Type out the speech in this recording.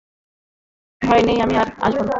ভয় নেই, আমি আর আসব না।